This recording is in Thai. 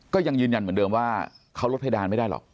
ก็ยังยืนยันเหมือนเดิมว่าเขาลดเพดานไม่ได้หรอก